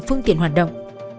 phương tiện hoạt động